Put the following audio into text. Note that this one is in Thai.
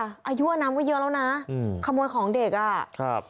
อายุอน้ำก็เยอะแล้วนะขโมยของเด็ก